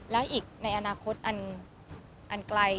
แล้วอีกในอนาคตอันไกล